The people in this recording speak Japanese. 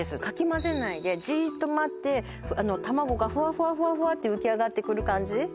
かき混ぜないでじっと待って卵がフワフワフワフワって浮き上がってくる感じ？